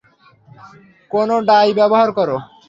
কোন ডাই ব্যবহার করো?